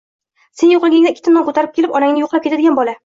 Sen yoʻqligingda ikkita non koʻtarib kelib onangni yoʻqlab ketadigan bola.